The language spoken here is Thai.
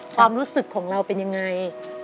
ความรู้สึกของเราเป็นยังไง